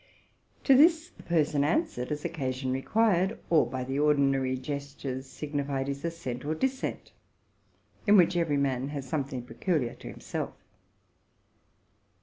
To this the person answered as occasion required, or by the ordinary gestures signified his assent or dissent, — in which every man has something peculiar to himself.